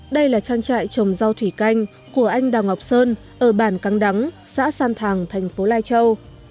đây là trang trại trồng rau thủy canh của anh đào ngọc sơn ở bản cắn xã san thàng thành phố lai châu